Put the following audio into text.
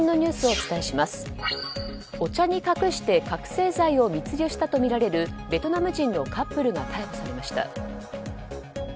お茶に隠して覚醒剤を密輸したとみられるベトナム人のカップルが逮捕されました。